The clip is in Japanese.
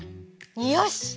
よし！